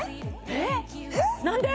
えっ何で！？